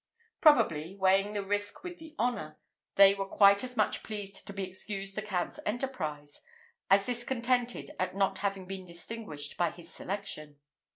Probably, weighing the risk with the honour, they were quite as much pleased to be excused the Count's enterprize, as discontented at not having been distinguished by his selection.